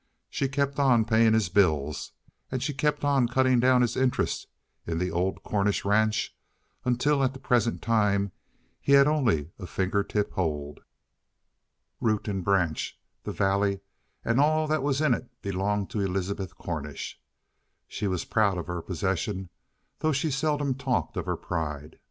She kept on paying his bills, and she kept on cutting down his interest in the old Cornish ranch, until at the present time he had only a finger tip hold. Root and branch, the valley and all that was in it belonged to Elizabeth Cornish. She was proud of her possession, though she seldom talked of her pride.